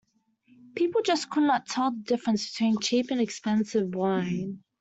"People just could not tell the difference between cheap and expensive wine".